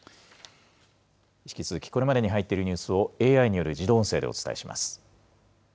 引き続き、これまでに入っているニュースをＡＩによる自動音声でお伝えします。